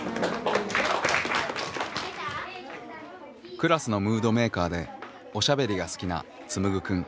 クラスのムードメーカーでおしゃべりが好きなつむぐくん。